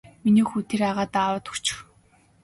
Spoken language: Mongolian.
Миний хүү тэр агаадаа аваачаад өгчих.